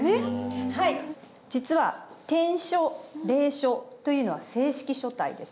はい実は篆書隷書というのは正式書体です。